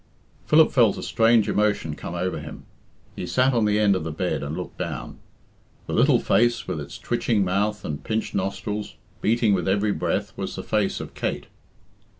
Philip felt a strange emotion come over him. He sat on the end of the bed and looked down. The little face, with its twitching mouth and pinched nostrils, beating with every breath, was the face of Kate.